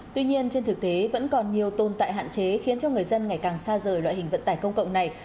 tuy nhiên trên thực tế vẫn còn nhiều tồn tại hạn chế khiến cho người dân ngày càng xa rời loại hình vận tải công cộng này